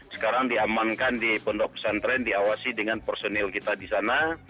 sekarang diamankan di pondok pesantren diawasi dengan personil kita di sana